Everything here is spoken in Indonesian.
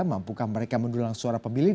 mampukah mereka mendulang suara pemilih